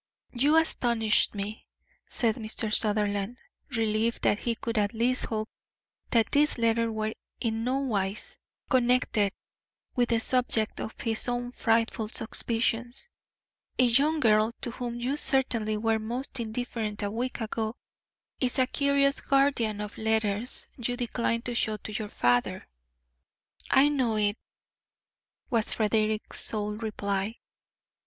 "You astonish me," said Mr. Sutherland, relieved that he could at least hope that these letters were in nowise connected with the subject of his own frightful suspicions. "A young girl, to whom you certainly were most indifferent a week ago, is a curious guardian of letters you decline to show your father." "I know it," was Frederick's sole reply.